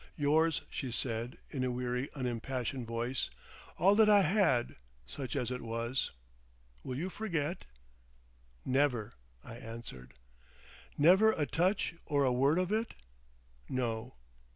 "Yours," she said, in a weary unimpassioned voice; "all that I had—such as it was. Will you forget?" "Never," I answered. "Never a touch or a word of it?" "No."